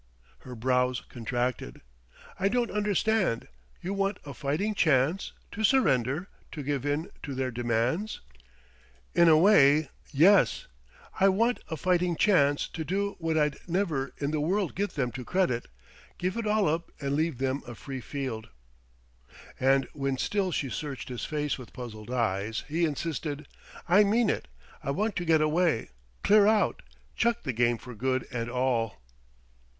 Her brows contracted. "I don't understand.... You want a fighting chance to surrender to give in to their demands?" "In a way yes. I want a fighting chance to do what I'd never in the world get them to credit give it all up and leave them a free field." And when still she searched his face with puzzled eyes, he insisted: "I mean it; I want to get away clear out chuck the game for good and all!"